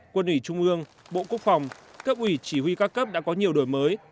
quân ủy trung ương bộ quốc phòng cấp ủy chỉ huy các cấp đã có nhiều đổi mới